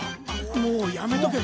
もうやめとけ。